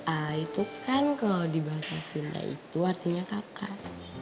ah itu kan kalau di bahasa sunda itu artinya kakak